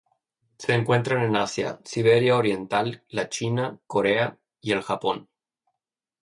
Se encuentran en Asia: Siberia oriental, la China, Corea y el Japón.